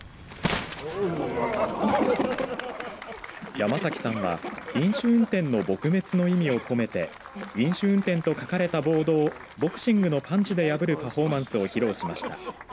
山崎さんは飲酒運転の撲滅の意味を込めて飲酒運転と書かれたボードをボクシングのパンチで破るパフォーマンスを披露しました。